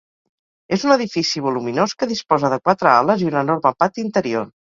És un edifici voluminós que disposa de quatre ales i un enorme pati interior.